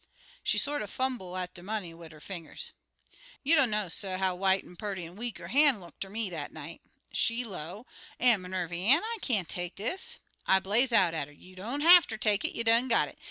She sorter fumble at de money wid 'er fingers. You dunno, suh, how white an' purty an' weak her han' look ter me dat night. She low, 'Aunt Minervy Ann, I can't take dis.' I blaze' out at 'er, 'You don't hafter take it; you done got it!